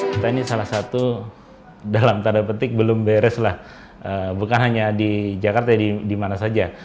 kita ini salah satu dalam tanda petik belum beres lah bukan hanya di jakarta di mana saja